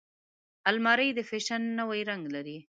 الماري د فیشن نوی رنګ لري